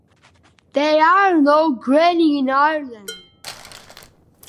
There are no grayling in Ireland.